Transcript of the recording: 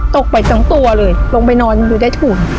ตกไปทั้งตัวเลยลงไปนอนอยู่ใต้ถุน